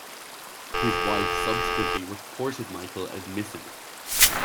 His wife subsequently reported Michael as missing.